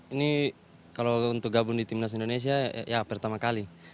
ini kalau untuk gabung di timnas indonesia ya pertama kali